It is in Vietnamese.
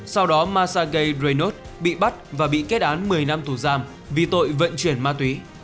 sau đó masa gay reynolds bị bắt và bị kết án một mươi năm tù giam vì tội vận chuyển ma túy